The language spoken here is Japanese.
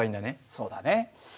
そうだね。